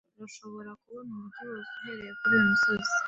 Urashobora kubona umujyi wose uhereye kuri uyu musozi.